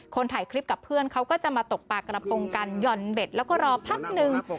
ถ่ายคลิปกับเพื่อนเขาก็จะมาตกปลากระโปรงกันหย่อนเบ็ดแล้วก็รอพักหนึ่ง